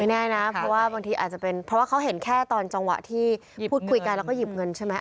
แน่นะเพราะว่าบางทีอาจจะเป็นเพราะว่าเขาเห็นแค่ตอนจังหวะที่พูดคุยกันแล้วก็หยิบเงินใช่ไหม